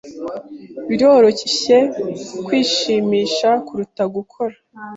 Biroroshye kwishimisha kuruta gukora. .